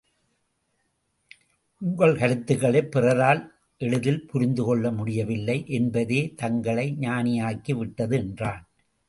உங்கள் கருத்துக்களைப் பிறரால் எளிதில் புரிந்து கொள்ள முடியவில்லை என்பதே தங்களை ஞானியாக்கிவிட்டது என்றான்.